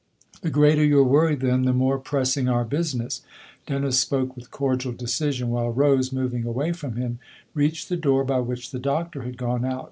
'*" The greater your worry, then, the more press ing our business." Dennis spoke with cordial decision, while Rose, moving away from him, reached the door by which the Doctor had gone out.